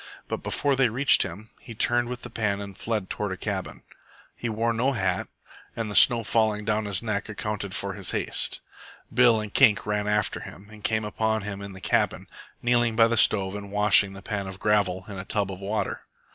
But before they reached him, he turned with the pan and fled toward a cabin. He wore no hat, and the snow falling down his neck accounted for his haste. Bill and Kink ran after him, and came upon him in the cabin, kneeling by the stove and washing the pan of gravel in a tub of water.